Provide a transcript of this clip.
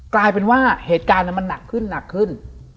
กลายเป็นว่าเหตุการณ์มันหนักขึ้น